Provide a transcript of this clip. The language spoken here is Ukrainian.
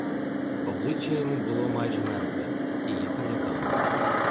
Обличчя йому було майже мертве — і я перелякалась.